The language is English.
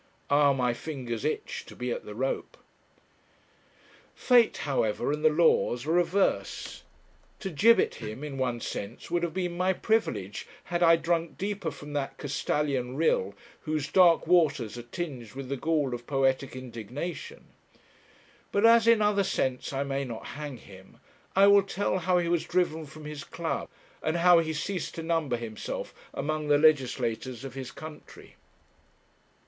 Ah! my fingers itch to be at the rope. Fate, however, and the laws are averse. To gibbet him, in one sense, would have been my privilege, had I drunk deeper from that Castalian rill whose dark waters are tinged with the gall of poetic indignation; but as in other sense I may not hang him, I will tell how he was driven from his club, and how he ceased to number himself among the legislators of his country.